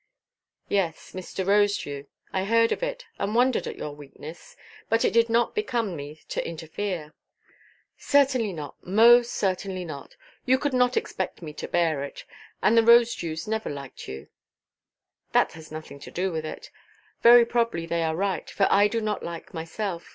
"Yes, Mr. Rosedew; I heard of it, and wondered at your weakness. But it did not become me to interfere." "Certainly not: most certainly not. You could not expect me to bear it. And the Rosedews never liked you." "That has nothing to do with it. Very probably they are right; for I do not like myself.